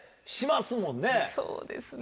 そうですね。